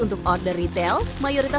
untuk eksekutifan kebat hiasan